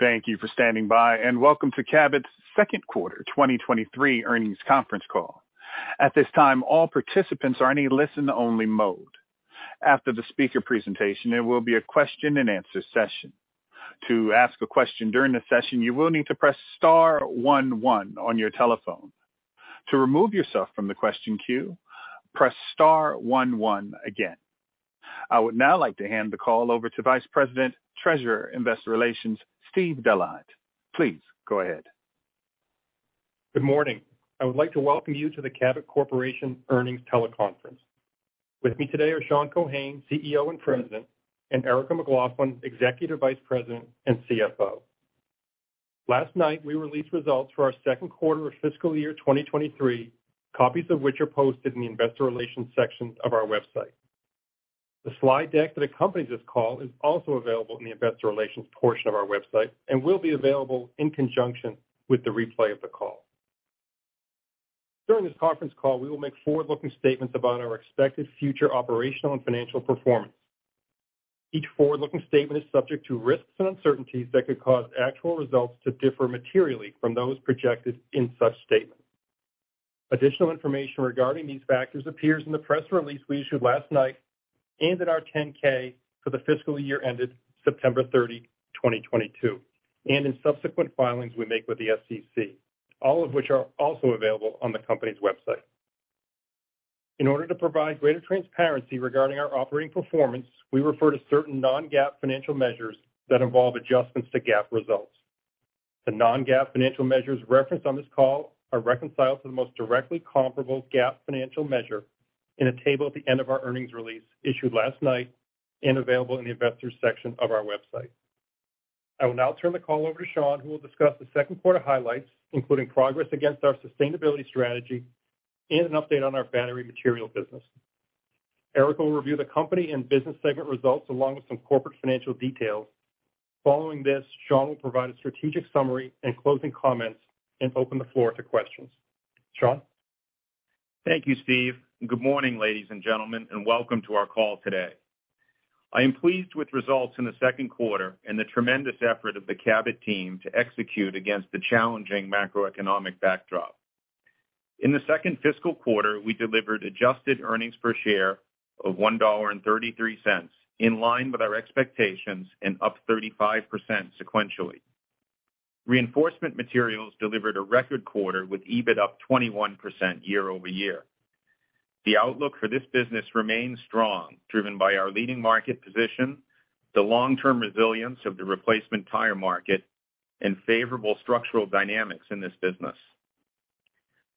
Thank you for standing by and welcome to Cabot's second quarter 2023 earnings conference call. At this time, all participants are in a listen only mode. After the speaker presentation, there will be a question and answer session. To ask a question during the session, you will need to press star one one on your telephone. To remove yourself from the question queue, press star one one again. I would now like to hand the call over to Vice President, Treasurer, Investor Relations, Steve Delahunt. Please go ahead. Good morning. I would like to welcome you to the Cabot Corporation Earnings Teleconference. With me today are Sean Keohane, CEO and President, and Erica McLaughlin, Executive Vice President and CFO. Last night we released results for our second quarter of fiscal year 2023, copies of which are posted in the investor relations section of our website. The slide deck that accompanies this call is also available in the investor relations portion of our website and will be available in conjunction with the replay of the call. During this conference call, we will make forward-looking statements about our expected future operational and financial performance. Each forward-looking statement is subject to risks and uncertainties that could cause actual results to differ materially from those projected in such statements. Additional information regarding these factors appears in the press release we issued last night and in our 10-K for the fiscal year ended September 30, 2022, and in subsequent filings we make with the SEC, all of which are also available on the company's website. In order to provide greater transparency regarding our operating performance, we refer to certain non-GAAP financial measures that involve adjustments to GAAP results. The non-GAAP financial measures referenced on this call are reconciled to the most directly comparable GAAP financial measure in a table at the end of our earnings release issued last night and available in the investors section of our website. I will now turn the call over to Sean who will discuss the second quarter highlights, including progress against our sustainability strategy and an update on our battery materials business. Erica will review the company and business segment results along with some corporate financial details. Following this, Sean will provide a strategic summary and closing comments and open the floor to questions. Sean? Thank you, Steve. Good morning, ladies and gentlemen, and welcome to our call today. I am pleased with results in the second quarter and the tremendous effort of the Cabot team to execute against the challenging macroeconomic backdrop. In the second fiscal quarter, we delivered adjusted earnings per share of $1.33, in line with our expectations and up 35% sequentially. Reinforcement Materials delivered a record quarter with EBIT up 21% year-over-year. The outlook for this business remains strong, driven by our leading market position, the long-term resilience of the replacement tire market and favorable structural dynamics in this business.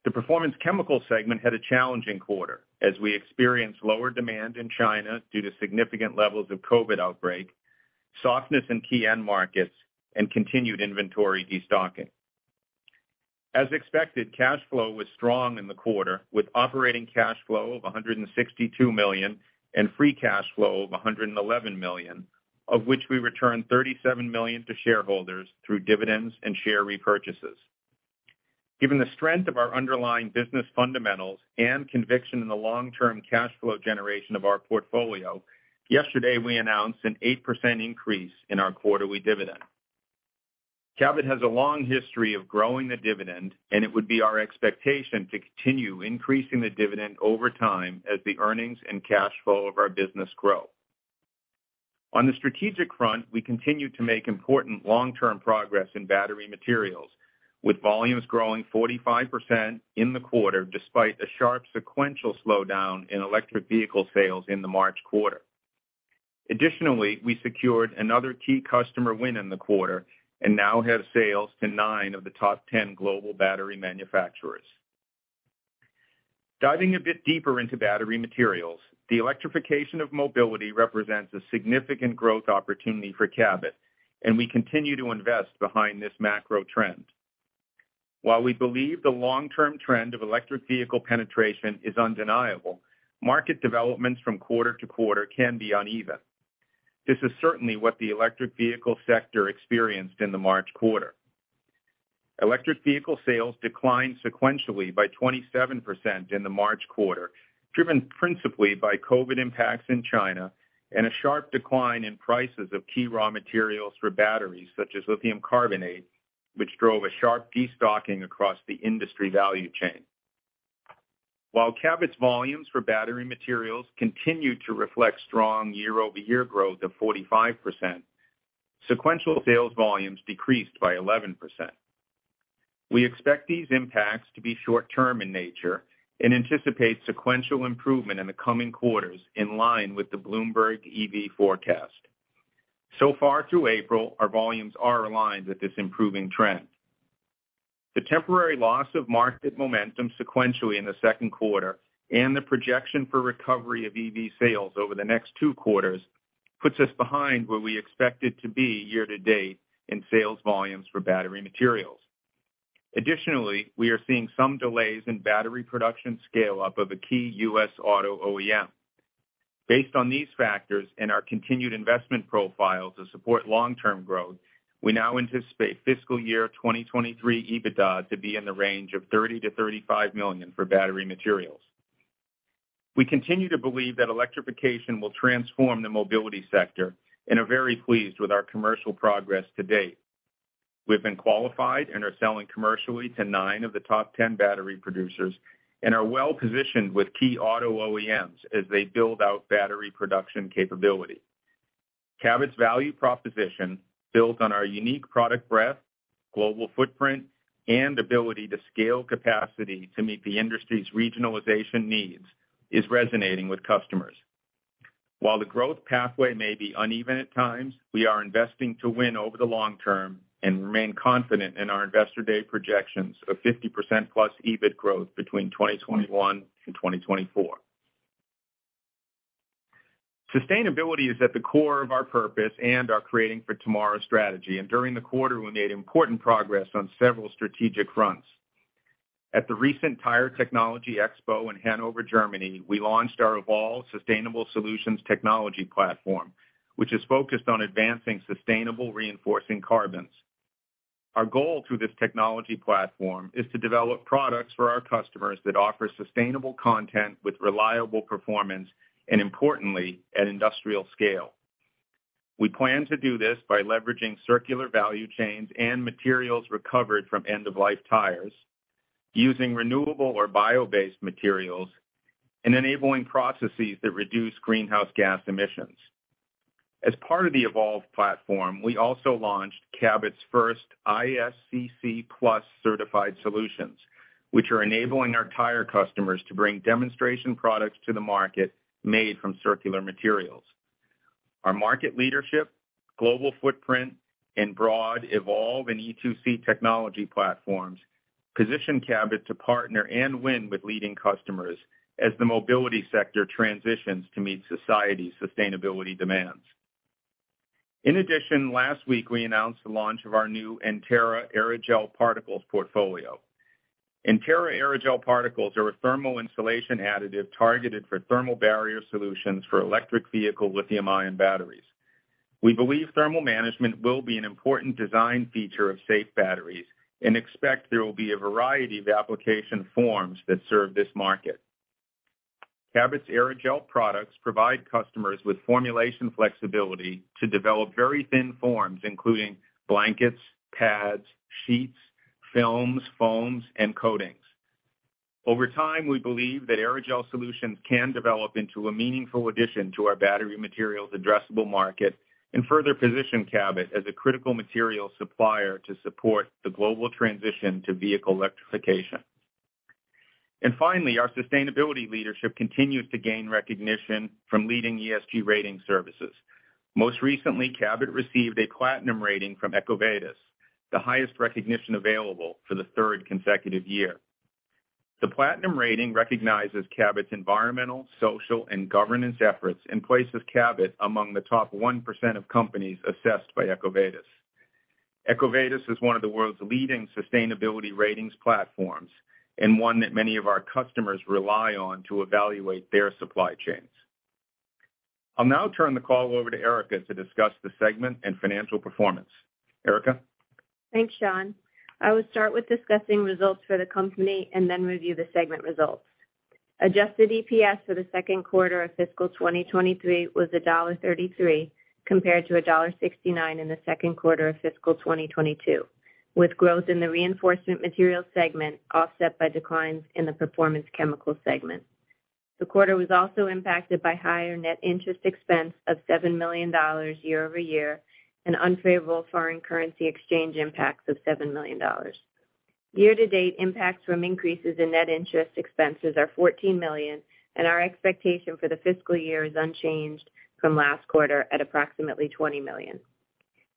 The Performance Chemicals segment had a challenging quarter as we experienced lower demand in China due to significant levels of COVID outbreak, softness in key end markets and continued inventory destocking. As expected, cash flow was strong in the quarter with operating cash flow of $162 million and free cash flow of $111 million, of which we returned $37 million to shareholders through dividends and share repurchases. Given the strength of our underlying business fundamentals and conviction in the long-term cash flow generation of our portfolio, yesterday we announced an 8% increase in our quarterly dividend. Cabot has a long history of growing the dividend, and it would be our expectation to continue increasing the dividend over time as the earnings and cash flow of our business grow. On the strategic front, we continue to make important long-term progress in battery materials, with volumes growing 45% in the quarter despite a sharp sequential slowdown in electric vehicle sales in the March quarter. Additionally, we secured another key customer win in the quarter and now have sales to 9 of the top 10 global battery manufacturers. Diving a bit deeper into battery materials, the electrification of mobility represents a significant growth opportunity for Cabot, and we continue to invest behind this macro trend. While we believe the long-term trend of electric vehicle penetration is undeniable, market developments from quarter to quarter can be uneven. This is certainly what the electric vehicle sector experienced in the March quarter. Electric vehicle sales declined sequentially by 27% in the March quarter, driven principally by COVID impacts in China and a sharp decline in prices of key raw materials for batteries such as lithium carbonate, which drove a sharp destocking across the industry value chain. While Cabot's volumes for battery materials continued to reflect strong year-over-year growth of 45%, sequential sales volumes decreased by 11%. We expect these impacts to be short-term in nature and anticipate sequential improvement in the coming quarters in line with the Bloomberg EV forecast. Through April, our volumes are aligned with this improving trend. The temporary loss of market momentum sequentially in the second quarter and the projection for recovery of EV sales over the next 2 quarters puts us behind where we expected to be year to date in sales volumes for battery materials. We are seeing some delays in battery production scale up of a key U.S. auto OEM. Based on these factors and our continued investment profile to support long-term growth, we now anticipate fiscal year 2023 EBITDA to be in the range of $30 million-$35 million for battery materials. We continue to believe that electrification will transform the mobility sector and are very pleased with our commercial progress to date. We've been qualified and are selling commercially to nine of the top 10 battery producers and are well-positioned with key auto OEMs as they build out battery production capability. Cabot's value proposition, built on our unique product breadth, global footprint, and ability to scale capacity to meet the industry's regionalization needs, is resonating with customers. While the growth pathway may be uneven at times, we are investing to win over the long term and remain confident in our investor day projections of 50%+ EBIT growth between 2021 and 2024. Sustainability is at the core of our purpose and our Creating for Tomorrow strategy. During the quarter, we made important progress on several strategic fronts. At the recent Tire Technology Expo in Hannover, Germany, we launched our EVOLVE Sustainable Solutions technology platform, which is focused on advancing sustainable reinforcing carbons. Our goal through this technology platform is to develop products for our customers that offer sustainable content with reliable performance and importantly, at industrial scale. We plan to do this by leveraging circular value chains and materials recovered from end-of-life tires, using renewable or bio-based materials, and enabling processes that reduce greenhouse gas emissions. As part of the EVOLVE platform, we also launched Cabot's first ISCC PLUS certified solutions, which are enabling our tire customers to bring demonstration products to the market made from circular materials. Our market leadership, global footprint, and broad EVOLVE and E2C technology platforms position Cabot to partner and win with leading customers as the mobility sector transitions to meet society's sustainability demands. In addition, last week we announced the launch of our new ENTERA Aerogel Particles portfolio. ENTERA Aerogel Particles are a thermal insulation additive targeted for thermal barrier solutions for electric vehicle lithium-ion batteries. We believe thermal management will be an important design feature of safe batteries and expect there will be a variety of application forms that serve this market. Cabot's aerogel products provide customers with formulation flexibility to develop very thin forms, including blankets, pads, sheets, films, foams, and coatings. Over time, we believe that aerogel solutions can develop into a meaningful addition to our battery materials addressable market and further position Cabot as a critical material supplier to support the global transition to vehicle electrification. Finally, our sustainability leadership continues to gain recognition from leading ESG rating services. Most recently, Cabot received a Platinum rating from EcoVadis, the highest recognition available for the third consecutive year. The Platinum rating recognizes Cabot's environmental, social, and governance efforts and places Cabot among the top 1% of companies assessed by EcoVadis. EcoVadis is one of the world's leading sustainability ratings platforms and one that many of our customers rely on to evaluate their supply chains. I'll now turn the call over to Erica to discuss the segment and financial performance. Erica? Thanks, Sean. I will start with discussing results for the company and then review the segment results. Adjusted EPS for the second quarter of fiscal 2023 was $1.33, compared to $1.69 in the second quarter of fiscal 2022, with growth in the Reinforcement Materials segment offset by declines in the Performance Chemicals segment. The quarter was also impacted by higher net interest expense of $7 million year-over-year and unfavorable foreign currency exchange impacts of $7 million. Year-to-date impacts from increases in net interest expenses are $14 million, and our expectation for the fiscal year is unchanged from last quarter at approximately $20 million.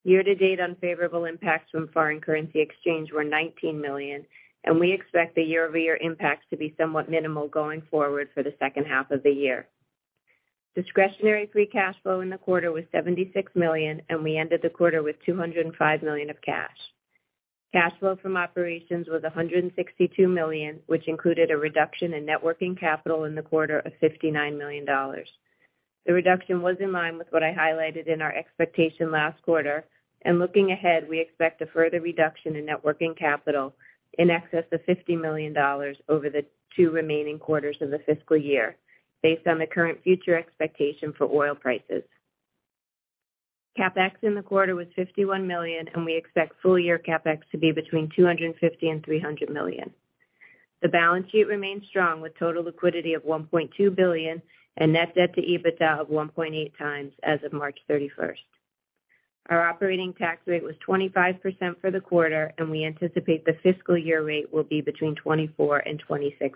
Year-to-date unfavorable impacts from foreign currency exchange were $19 million, and we expect the year-over-year impacts to be somewhat minimal going forward for the second half of the year. Discretionary free cash flow in the quarter was $76 million, and we ended the quarter with $205 million of cash. Cash flow from operations was $162 million, which included a reduction in net working capital in the quarter of $59 million. The reduction was in line with what I highlighted in our expectation last quarter. Looking ahead, we expect a further reduction in net working capital in excess of $50 million over the two remaining quarters of the fiscal year based on the current future expectation for oil prices. CapEx in the quarter was $51 million, and we expect full year CapEx to be between $250 million and $300 million. The balance sheet remains strong with total liquidity of $1.2 billion and net debt to EBITDA of 1.8x as of March 31st. Our operating tax rate was 25% for the quarter. We anticipate the fiscal year rate will be between 24% and 26%.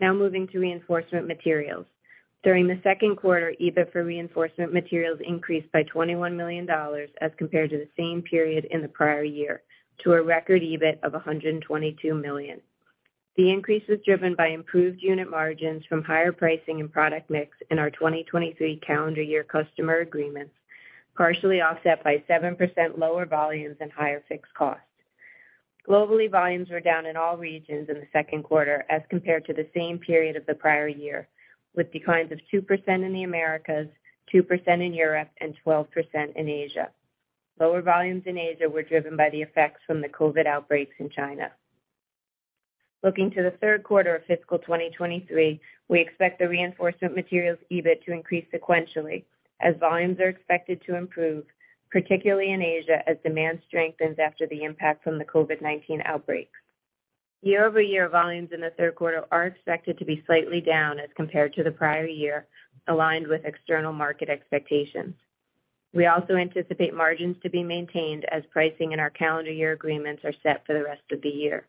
Now moving to Reinforcement Materials. During the second quarter, EBIT for Reinforcement Materials increased by $21 million as compared to the same period in the prior year, to a record EBIT of $122 million. The increase was driven by improved unit margins from higher pricing and product mix in our 2023 calendar year customer agreements, partially offset by 7% lower volumes and higher fixed costs. Globally, volumes were down in all regions in the second quarter as compared to the same period of the prior year, with declines of 2% in the Americas, 2% in Europe, and 12% in Asia. Lower volumes in Asia were driven by the effects from the COVID outbreaks in China. Looking to the third quarter of fiscal 2023, we expect the Reinforcement Materials EBIT to increase sequentially as volumes are expected to improve, particularly in Asia, as demand strengthens after the impact from the COVID-19 outbreaks. Year-over-year volumes in the third quarter are expected to be slightly down as compared to the prior year, aligned with external market expectations. We also anticipate margins to be maintained as pricing in our calendar year agreements are set for the rest of the year.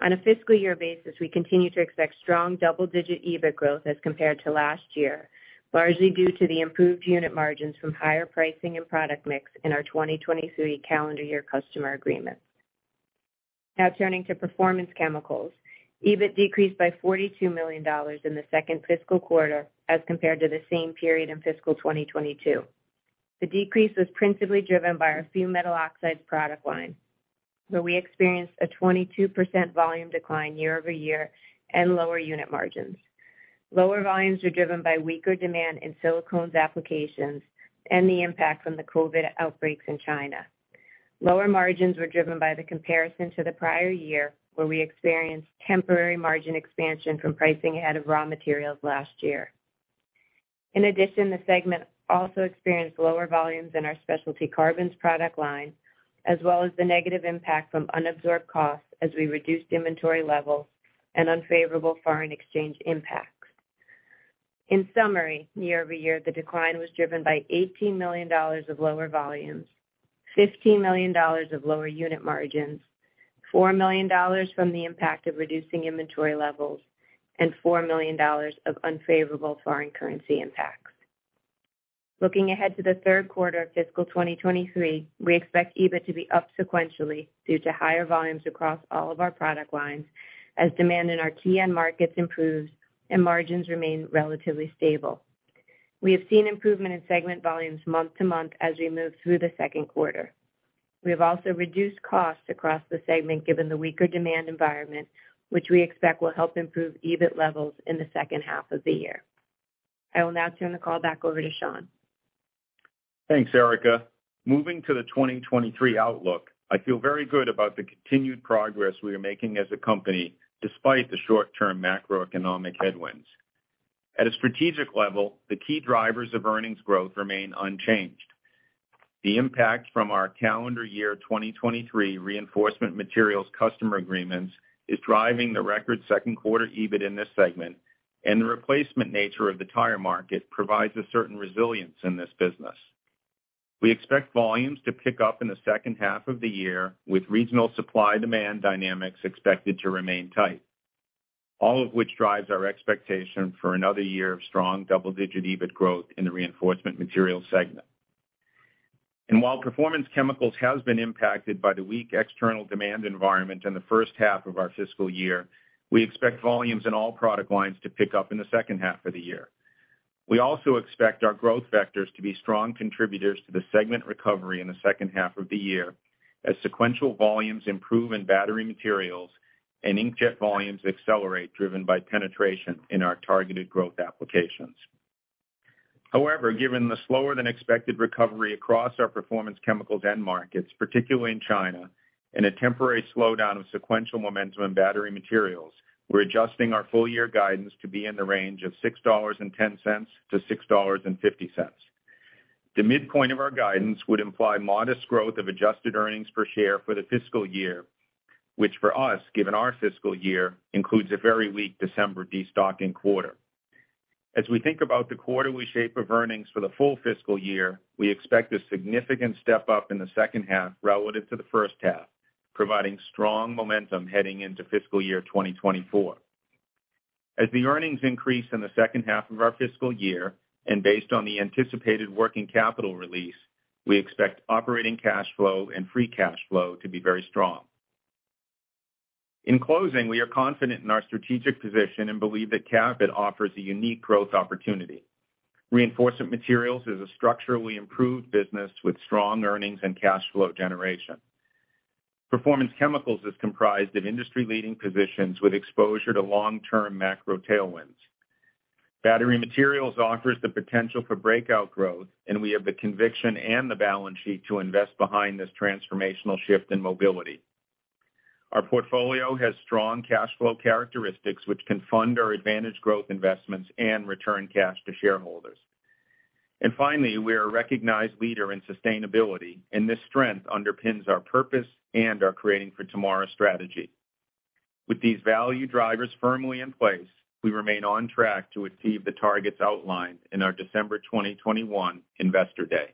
On a fiscal year basis, we continue to expect strong double-digit EBIT growth as compared to last year, largely due to the improved unit margins from higher pricing and product mix in our 2023 calendar year customer agreements. Turning to Performance Chemicals. EBIT decreased by $42 million in the second fiscal quarter as compared to the same period in fiscal 2022. The decrease was principally driven by our fumed metal oxides product line, where we experienced a 22% volume decline year-over-year and lower unit margins. Lower volumes were driven by weaker demand in silicones applications and the impact from the COVID outbreaks in China. Lower margins were driven by the comparison to the prior year, where we experienced temporary margin expansion from pricing ahead of raw materials last year. In addition, the segment also experienced lower volumes in our specialty carbons product line, as well as the negative impact from unabsorbed costs as we reduced inventory levels and unfavorable foreign exchange impacts. In summary, year-over-year, the decline was driven by $18 million of lower volumes, $15 million of lower unit margins, $4 million from the impact of reducing inventory levels, and $4 million of unfavorable foreign currency impacts. Looking ahead to the third quarter of fiscal 2023, we expect EBIT to be up sequentially due to higher volumes across all of our product lines as demand in our key end markets improves and margins remain relatively stable. We have seen improvement in segment volumes month-to-month as we move through the second quarter. We have also reduced costs across the segment given the weaker demand environment, which we expect will help improve EBIT levels in the second half of the year. I will now turn the call back over to Sean. Thanks, Erica. Moving to the 2023 outlook, I feel very good about the continued progress we are making as a company despite the short-term macroeconomic headwinds. At a strategic level, the key drivers of earnings growth remain unchanged. The impact from our calendar year 2023 Reinforcement Materials customer agreements is driving the record second quarter EBIT in this segment. The replacement nature of the tire market provides a certain resilience in this business. We expect volumes to pick up in the second half of the year, with regional supply demand dynamics expected to remain tight, all of which drives our expectation for another year of strong double-digit EBIT growth in the Reinforcement Materials segment. While Performance Chemicals has been impacted by the weak external demand environment in the first half of our fiscal year, we expect volumes in all product lines to pick up in the second half of the year. We also expect our growth vectors to be strong contributors to the segment recovery in the second half of the year as sequential volumes improve in battery materials and inkjet volumes accelerate, driven by penetration in our targeted growth applications. Given the slower than expected recovery across our Performance Chemicals end markets, particularly in China, and a temporary slowdown of sequential momentum in battery materials, we're adjusting our full year guidance to be in the range of $6.10-$6.50. The midpoint of our guidance would imply modest growth of adjusted earnings per share for the fiscal year, which for us, given our fiscal year, includes a very weak December destocking quarter. As we think about the quarterly shape of earnings for the full fiscal year, we expect a significant step up in the second half relative to the first half, providing strong momentum heading into fiscal year 2024. As the earnings increase in the second half of our fiscal year and based on the anticipated working capital release, we expect operating cash flow and free cash flow to be very strong. In closing, we are confident in our strategic position and believe that Cabot offers a unique growth opportunity. Reinforcement Materials is a structurally improved business with strong earnings and cash flow generation. Performance Chemicals is comprised of industry-leading positions with exposure to long-term macro tailwinds. Battery materials offers the potential for breakout growth, and we have the conviction and the balance sheet to invest behind this transformational shift in mobility. Our portfolio has strong cash flow characteristics which can fund our advantage growth investments and return cash to shareholders. Finally, we are a recognized leader in sustainability, and this strength underpins our purpose and our Creating for Tomorrow strategy. With these value drivers firmly in place, we remain on track to achieve the targets outlined in our December 2021 investor day.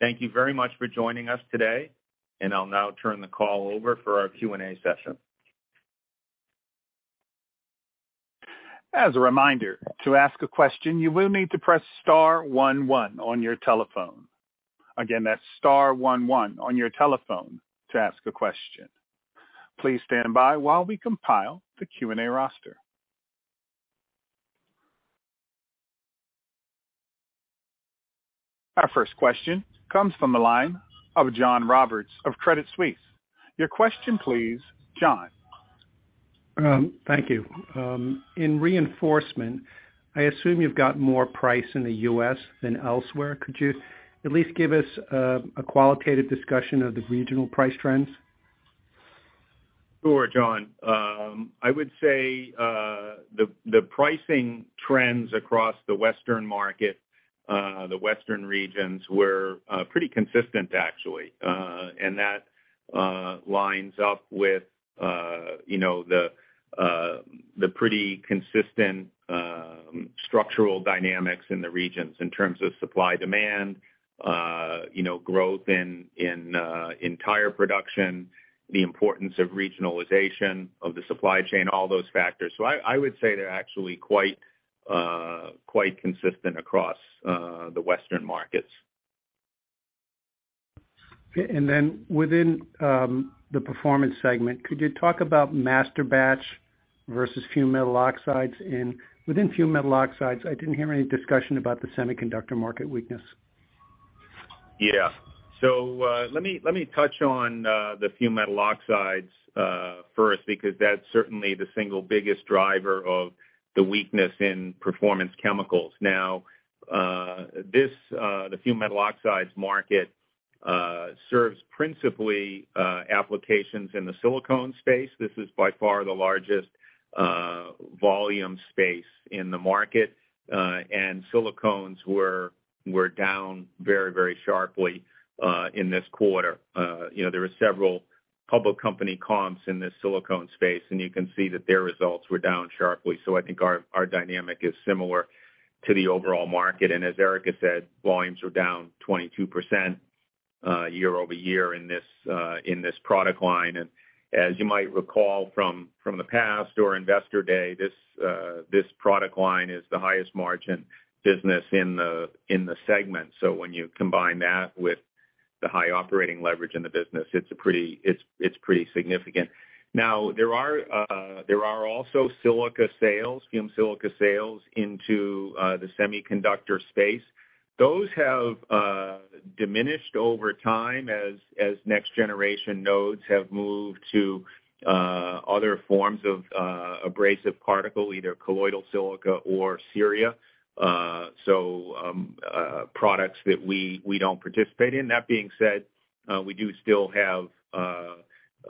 Thank you very much for joining us today, and I'll now turn the call over for our Q&A session. As a reminder, to ask a question, you will need to press star one one on your telephone. Again, that's star one one on your telephone to ask a question. Please stand by while we compile the Q&A roster. Our first question comes from the line of John Roberts of Credit Suisse. Your question, please, John? Thank you. In reinforcement, I assume you've got more price in the U.S. than elsewhere. Could you at least give us a qualitative discussion of the regional price trends? Sure, John. I would say, the pricing trends across the Western market, the Western regions were pretty consistent actually. That lines up with the pretty consistent structural dynamics in the regions in terms of supply demand growth in tire production, the importance of regionalization of the supply chain, all those factors. I would say they're actually quite consistent across the Western markets. Within the Performance Chemicals segment, could you talk about masterbatch versus fumed metal oxides? Within fumed metal oxides, I didn't hear any discussion about the semiconductor market weakness. Let me, let me touch on the fumed metal oxides first, because that's certainly the single biggest driver of the weakness in Performance Chemicals. This, the fumed metal oxides market serves principally applications in the silicone space. This is by far the largest volume space in the market. Silicones were down very, very sharply in this quarter. There were several public company comps in this silicone space, and you can see that their results were down sharply. I think our dynamic is similar to the overall market, and as Erica said, volumes are down 22% year-over-year in this, in this product line. As you might recall from the past or Investor Day, this product line is the highest margin business in the segment. When you combine that with the high operating leverage in the business, it's pretty significant. There are also silica sales, fumed silica sales into the semiconductor space. Those have diminished over time as next generation nodes have moved to other forms of abrasive particle, either colloidal silica or ceria. Products that we don't participate in. That being said, we do still have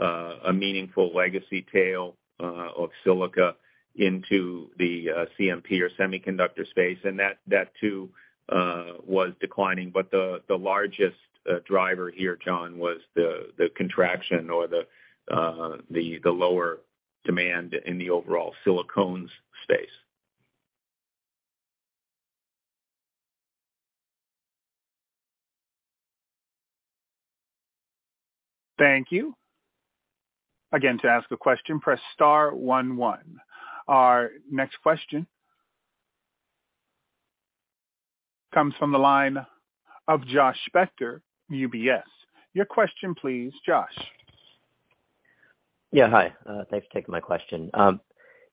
a meaningful legacy tail of silica into the CMP or semiconductor space, and that too was declining. The largest driver here, John, was the contraction or the lower demand in the overall silicones space. Thank you. To ask a question, press star one. Our next question comes from the line of Josh Spector, UBS. Your question, please, Josh. Yeah. Hi. Thanks for taking my question.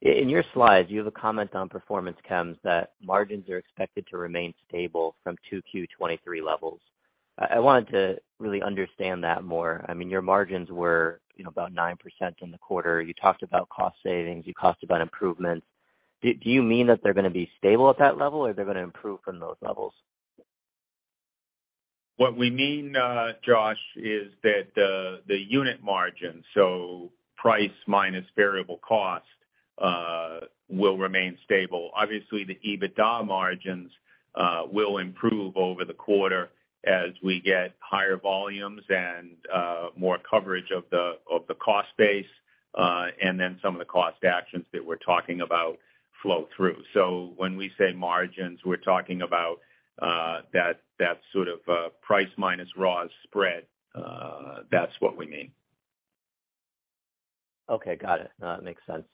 In your slides, you have a comment on Performance chems that margins are expected to remain stable from 2Q 2023 levels. I wanted to really understand that more. I mean, your margins were about 9% in the quarter. You talked about cost savings. You talked about improvements. Do you mean that they're gonna be stable at that level, or they're gonna improve from those levels? What we mean, Josh, is that the unit margin, so price minus variable cost, will remain stable. Obviously, the EBITDA margins will improve over the quarter as we get higher volumes and more coverage of the cost base, and then some of the cost actions that we're talking about flow through. When we say margins, we're talking about that sort of, price minus raw spread. That's what we mean. Okay. Got it. No, that makes sense.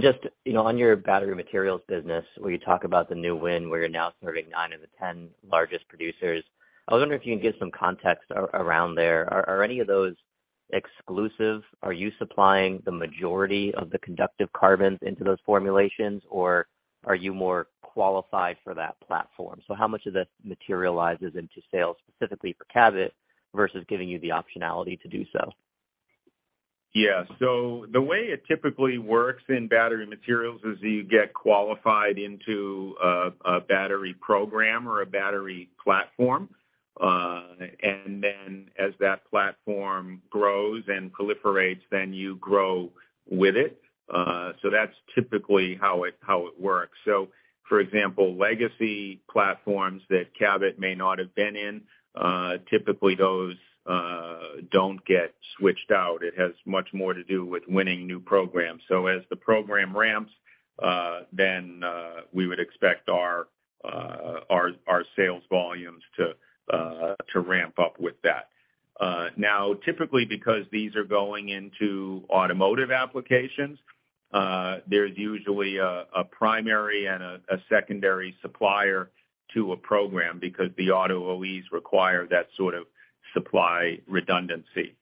Just on your battery materials business, where you talk about the new win, where you're now serving 9 of the 10 largest producers, I was wondering if you can give some context around there. Are any of those exclusive? Are you supplying the majority of the conductive carbons into those formulations, or are you more qualified for that platform? How much of this materializes into sales specifically for Cabot versus giving you the optionality to do so? Yeah. The way it typically works in battery materials is you get qualified into a battery program or a battery platform. As that platform grows and proliferates, then you grow with it. That's typically how it works. For example, legacy platforms that Cabot may not have been in, typically those don't get switched out. It has much more to do with winning new programs. As the program ramps, then we would expect our sales volumes to ramp up with that. Now typically because these are going into automotive applications, there's usually a primary and a secondary supplier to a program because the auto OEs require that sort of supply redundancy.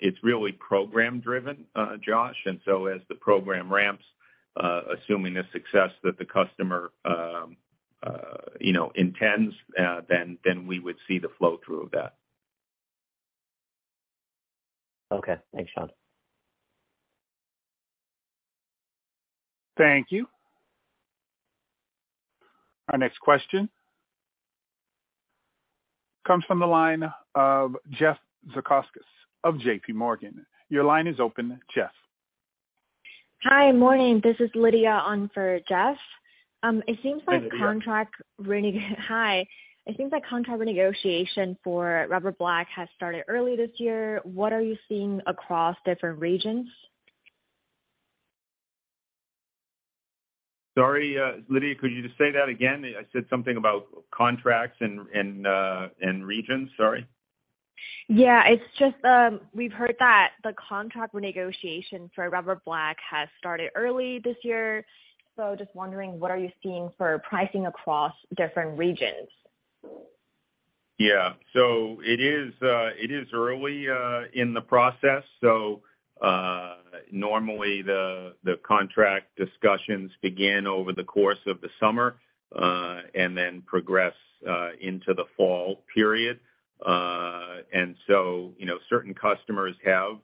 It's really program driven, Josh. As the program ramps, assuming the success that the customer intends, then we would see the flow through of that. Okay. Thanks, Sean. Thank you. Our next question comes from the line of Jeff Zekauskas of JP Morgan. Your line is open, Jeff. Hi, morning. This is Lydia on for Jeff. It seems like contract negotiation for rubber black has started early this year. What are you seeing across different regions? Sorry, Lydia, could you just say that again? I said something about contracts and regions. Sorry. Yeah, it's just, we've heard that the contract renegotiation for rubber black has started early this year. Just wondering, what are you seeing for pricing across different regions? Yeah. It is early in the process. Normally the contract discussions begin over the course of the summer and then progress into the fall period. Certain customers have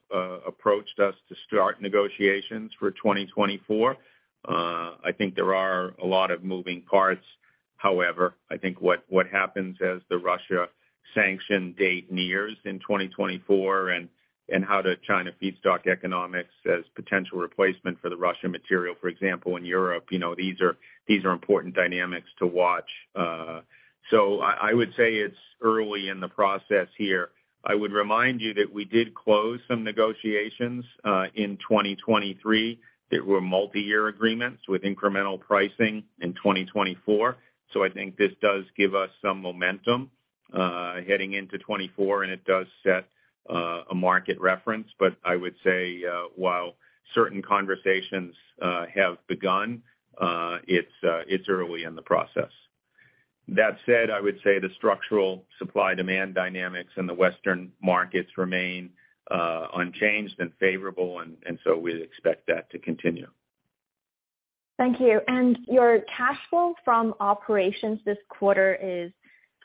approached us to start negotiations for 2024. I think there are a lot of moving parts. However, I think what happens as the Russia sanction date nears in 2024 and how the China feedstock economics as potential replacement for the Russian material, for example, in Europe, these are important dynamics to watch. I would say it's early in the process here. I would remind you that we did close some negotiations in 2023 that were multi-year agreements with incremental pricing in 2024. I think this does give us some momentum, heading into 2024, and it does set a market reference. I would say, while certain conversations have begun, it's early in the process. That said, I would say the structural supply-demand dynamics in the Western markets remain unchanged and favorable. We expect that to continue. Thank you. Your cash flow from operations this quarter is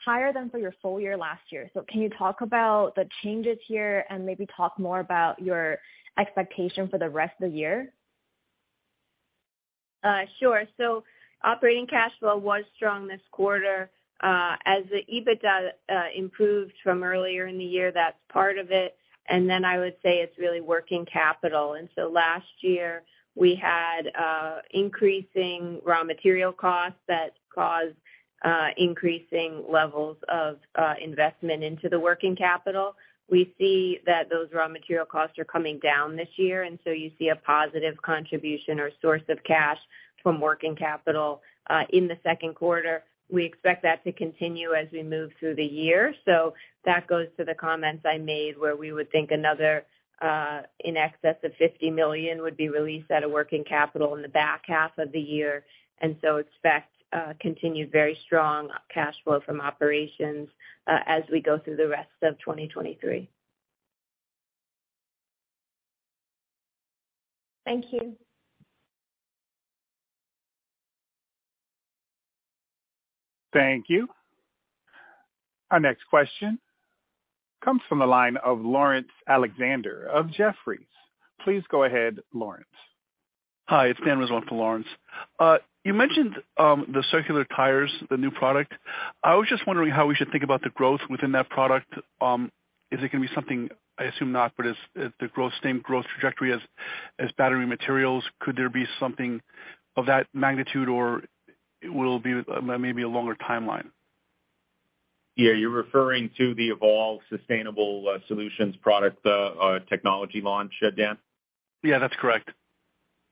higher than for your full year last year. Can you talk about the changes here and maybe talk more about your expectation for the rest of the year? Sure. Operating cash flow was strong this quarter, as the EBITDA improved from earlier in the year, that's part of it. Then I would say it's really working capital. Last year, we had increasing raw material costs that caused increasing levels of investment into the working capital. We see that those raw material costs are coming down this year, and so you see a positive contribution or source of cash from working capital, in the second quarter. We expect that to continue as we move through the year. That goes to the comments I made where we would think another, in excess of $50 million would be released out of working capital in the back half of the year. Expect continued very strong cash flow from operations as we go through the rest of 2023. Thank you. Thank you. Our next question comes from the line of Laurence Alexander of Jefferies. Please go ahead, Laurence. Hi, it's Dan Roosevelt for Lawrence. You mentioned the circular tires, the new product. I was just wondering how we should think about the growth within that product. Is it gonna be something I assume not, but is the growth same growth trajectory as battery materials? Could there be something of that magnitude, or it will be maybe a longer timeline? Yeah. You're referring to the EVOLVE Sustainable Solutions product technology launch, Dan? Yeah, that's correct.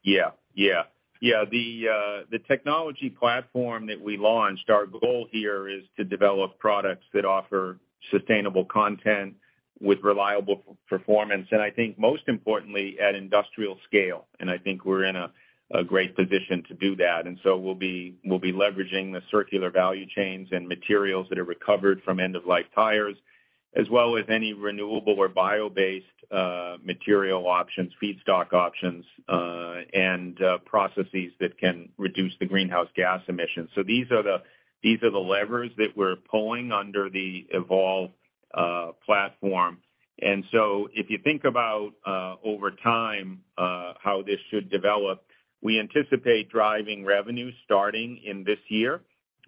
Yeah. Yeah. Yeah. The technology platform that we launched, our goal here is to develop products that offer sustainable content with reliable performance, I think most importantly, at industrial scale. I think we're in a great position to do that. We'll be leveraging the circular value chains and materials that are recovered from end-of-life tires, as well as any renewable or bio-based material options, feedstock options, and processes that can reduce the greenhouse gas emissions. These are the levers that we're pulling under the EVOLVE platform. If you think about, over time, how this should develop, we anticipate driving revenue starting in this year,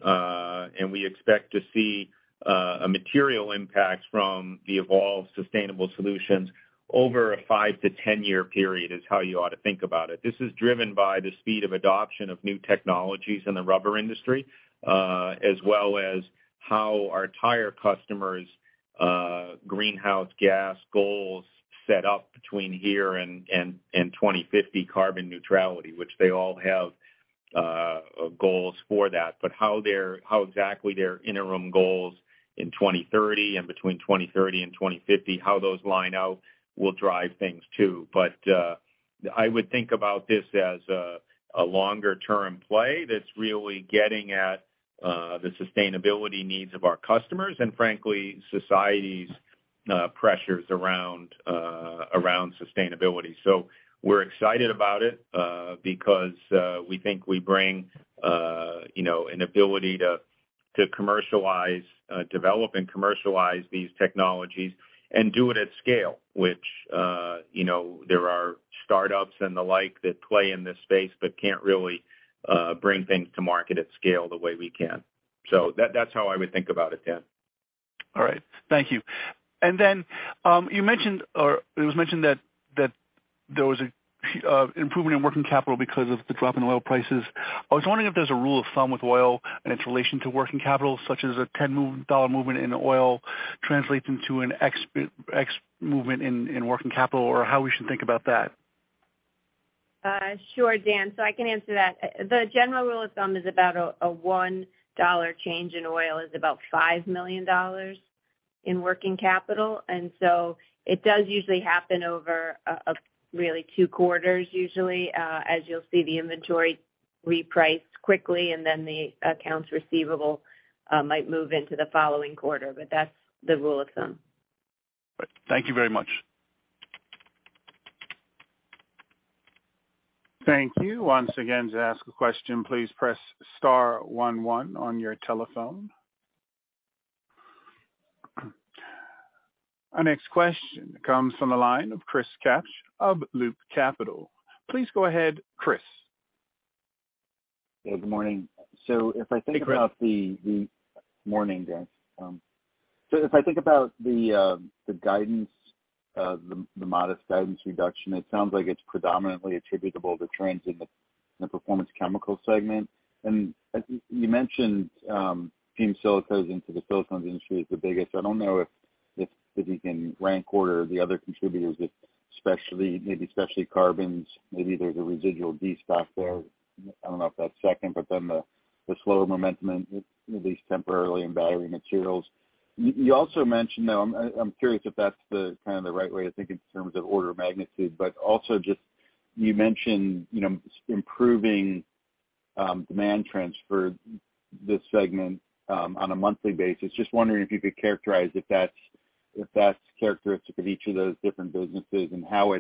and we expect to see a material impact from the EVOLVE Sustainable Solutions over a 5 to 10-year period is how you ought to think about it. This is driven by the speed of adoption of new technologies in the rubber industry, as well as how our tire customers' greenhouse gas goals set up between here and 2050 carbon neutrality, which they all have goals for that. How exactly their interim goals in 2030 and between 2030 and 2050, how those line out will drive things too. I would think about this as a longer-term play that's really getting at the sustainability needs of our customers and frankly, society's pressures around sustainability. We're excited about it because we think we bring an ability to commercialize, develop and commercialize these technologies and do it at scale, which, there are startups and the like that play in this space but can't really bring things to market at scale the way we can. That's how I would think about it, Dan. All right. Thank you. You mentioned or it was mentioned that there was a improvement in working capital because of the drop in oil prices. I was wondering if there's a rule of thumb with oil and its relation to working capital, such as a $10 movement in oil translates into a movement in working capital, or how we should think about that? Sure, Dan, I can answer that. The general rule of thumb is about a $1 change in oil is about $5 million in working capital. It does usually happen over really 2 quarters usually, as you'll see the inventory reprice quickly, and then the accounts receivable might move into the following quarter, but that's the rule of thumb. Thank you very much. Thank you. Once again, to ask a question, please press star one one on your telephone. Our next question comes from the line of Chris Kapsch of Loop Capital. Please go ahead, Chris. Yeah, good morning. If I think about the-. Hey, Chris. Morning, Dan. If I think about the guidance, the modest guidance reduction, it sounds like it's predominantly attributable to trends in the Performance Chemicals segment. You mentioned fumed silicas into the silicones industry is the biggest. I don't know if you can rank order the other contributors, if specialty carbons, maybe there's a residual D spot there. I don't know if that's second, the slower momentum, at least temporarily in battery materials. You also mentioned, though, I'm curious if that's the kind of the right way to think in terms of order of magnitude, but also just you mentioned improving demand trends for this segment on a monthly basis. Just wondering if you could characterize if that's characteristic of each of those different businesses and how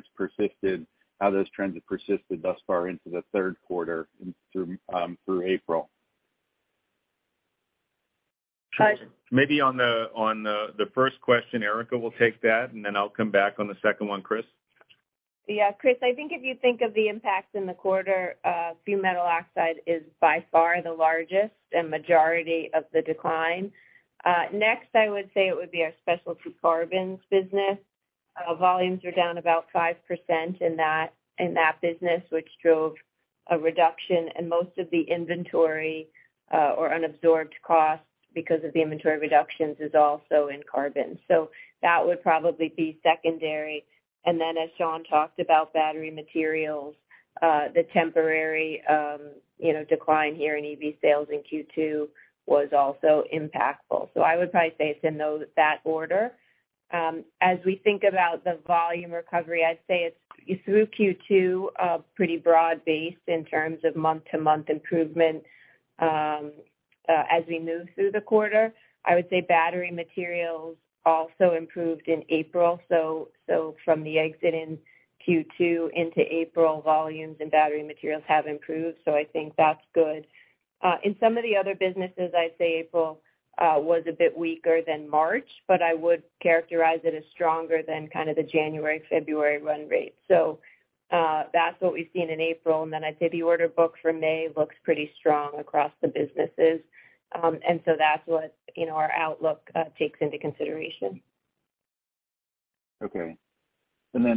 those trends have persisted thus far into the third quarter and through April? I- Maybe on the first question, Erica will take that, and then I'll come back on the second one, Chris. Chris, I think if you think of the impact in the quarter, fumed metal oxides is by far the largest and majority of the decline. Next, I would say it would be our specialty carbons business. Volumes are down about 5% in that business, which drove a reduction, and most of the inventory, or unabsorbed costs because of the inventory reductions is also in carbon. That would probably be secondary. Then as Sean talked about battery materials, the temporary decline here in EV sales in Q2 was also impactful. I would probably say it's in that order. As we think about the volume recovery, I'd say it's through Q2, pretty broad-based in terms of month-to-month improvement, as we move through the quarter. I would say battery materials also improved in April. From the exit in Q2 into April, volumes and battery materials have improved. I think that's good. In some of the other businesses, I'd say April was a bit weaker than March, but I would characterize it as stronger than kind of the January, February run rate. That's what we've seen in April. Then I'd say the order book for May looks pretty strong across the businesses. That's what our outlook takes into consideration. Okay.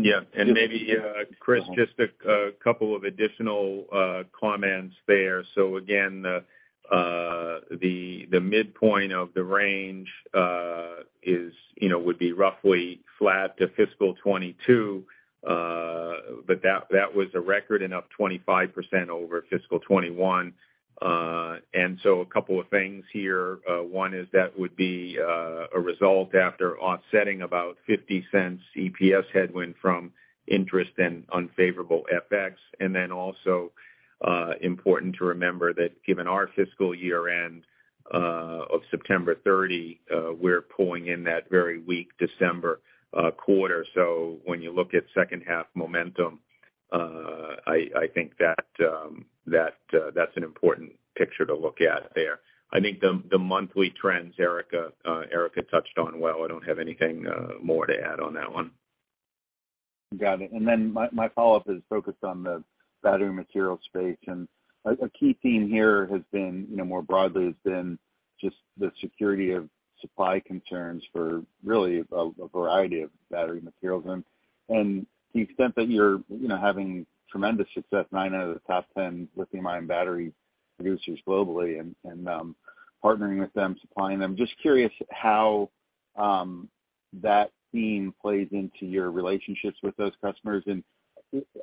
Yeah. Maybe, Chris Kapsch, just a couple of additional comments there. Again, the midpoint of the range is would be roughly flat to fiscal 22, but that was a record and up 25% over fiscal 21. A couple of things here, one is that would be a result after offsetting about $0.50 EPS headwind from interest and unfavorable FX. Also, important to remember that given our fiscal year-end of September 30, we're pulling in that very weak December quarter. When you look at second half momentum, I think that's an important picture to look at there. I think the monthly trends, Erica touched on well. I don't have anything more to add on that one. Got it. My follow-up is focused on the battery material space. A key theme here has been, you know, more broadly has been just the security of supply concerns for really a variety of battery materials. To the extent that you're, you know, having tremendous success, 9 out of the top 10 lithium-ion battery producers globally and partnering with them, supplying them, just curious how that theme plays into your relationships with those customers.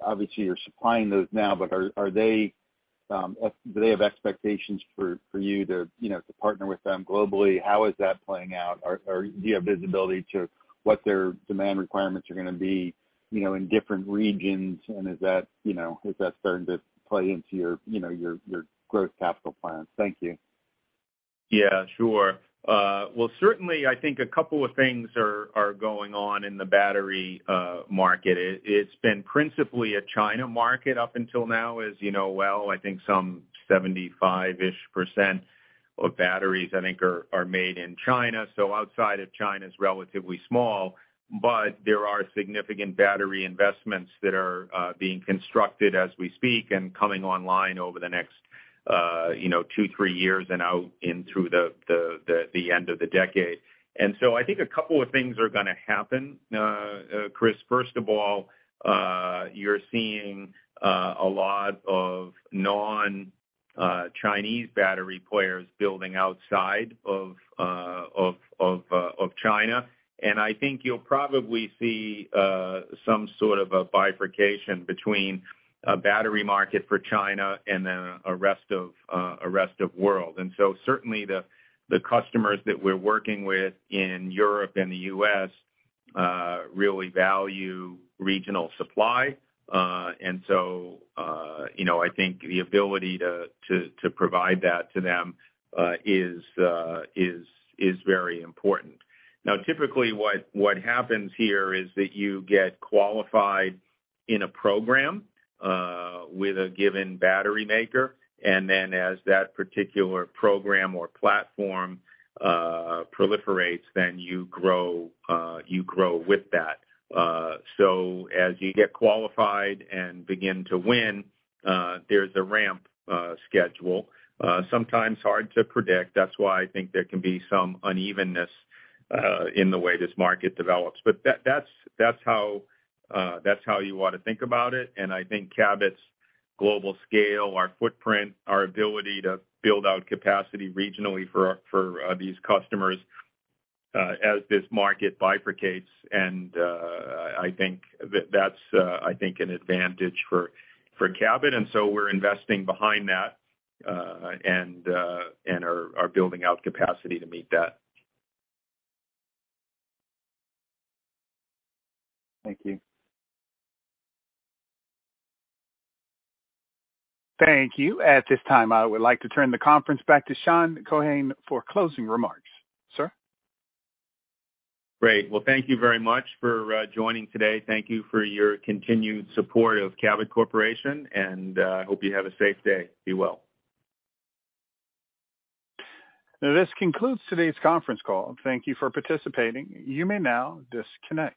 Obviously, you're supplying those now, but are they, do they have expectations for you to partner with them globally? How is that playing out? Or, or do you have visibility to what their demand requirements are gonna be, you know, in different regions? Is that, you know, is that starting to play into your growth capital plans? Thank you. Yeah, sure. Well, certainly I think a couple of things are going on in the battery market. It's been principally a China market up until now, as you know well, I think some 75-ish percent of batteries are made in China, so outside of China is relatively small, but there are significant battery investments that are being constructed as we speak and coming online over the next, you know, two, three years and out in through the end of the decade. I think a couple of things are gonna happen, Chris. First of all, you're seeing a lot of non-Chinese battery players building outside of China. I think you'll probably see some sort of a bifurcation between a battery market for China and then a rest of a rest of world. Certainly the customers that we're working with in Europe and the U.S. really value regional supply. I think the ability to provide that to them is very important. Now, typically, what happens here is that you get qualified in a program with a given battery maker, and then as that particular program or platform proliferates, then you grow with that. As you get qualified and begin to win, there's a ramp schedule, sometimes hard to predict. That's why I think there can be some unevenness in the way this market develops. That's, that's how, that's how you ought to think about it. I think Cabot's global scale, our footprint, our ability to build out capacity regionally for these customers, as this market bifurcates. I think that's, I think an advantage for Cabot, and so we're investing behind that, and are building out capacity to meet that. Thank you. Thank you. At this time, I would like to turn the conference back to Sean Keohane for closing remarks. Sir. Great. Well, thank you very much for joining today. Thank you for your continued support of Cabot Corporation. I hope you have a safe day. Be well. This concludes today's conference call. Thank You for participating. You may now disconnect.